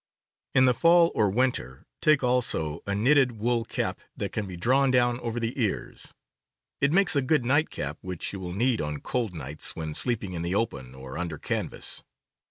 In the fall or winter take also a knitted wool cap In Still Waten THE SPORTSMAN'S CLOTHING 21 that can be drawn down over the ears. It makes a good nightcap, which you will need on cold nights when sleeping in the open or under canvas.